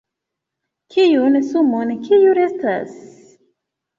Kiun sumon kiu restas??